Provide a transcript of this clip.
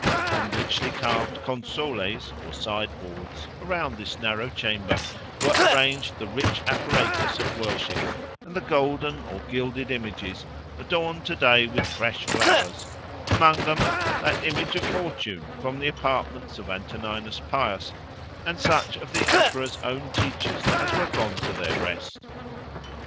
On richly carved consoles, or side boards, around this narrow chamber, were arranged the rich apparatus of worship and the golden or gilded images, adorned to day with fresh flowers, among them that image of Fortune from the apartment of Antoninus Pius, and such of the emperor's own teachers as were gone to their rest.